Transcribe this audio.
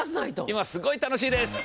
今すごい楽しいです！